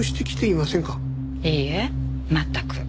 いいえ全く。